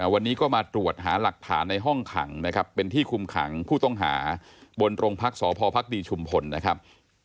วันนี้ก็มาตรวจหาหลักฐานในห้องขังนะครับเป็นที่คุมขังผู้ต้องหาบนโรงพักษพภักดีชุมพลนะครับ